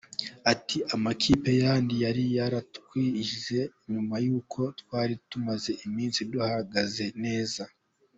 Ati "Amakipe yandi yari yaratwize nyuma yuko twari tumaze iminsi duhagaze neza.